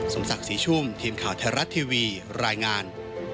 ศักดิ์ศรีชุ่มทีมข่าวไทยรัฐทีวีรายงาน